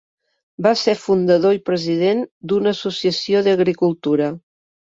Va ser fundador i president d'una associació d'agricultura.